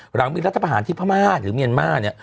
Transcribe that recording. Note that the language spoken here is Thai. หลังมีรัฐพาหารที่พระม่าหรือเมียนมาส